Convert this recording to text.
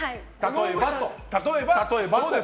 例えばと。